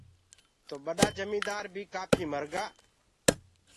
تو ٻڏآ جميٚندآر بي ڪآڦي مرگا۔